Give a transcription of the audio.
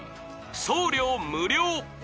送料無料！